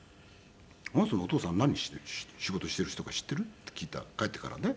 「あの人のお父さん何仕事している人か知っている？」って聞いたら帰ってからね。